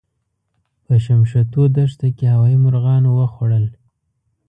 په شمشتو دښته کې هوايي مرغانو وخوړل.